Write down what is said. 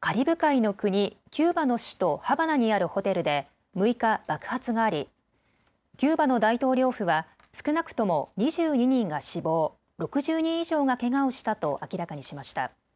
カリブ海の国、キューバの首都ハバナにあるホテルで６日、爆発がありキューバの大統領府は少なくとも２２人が死亡、６０人以上がけがをしたと明らかにしました。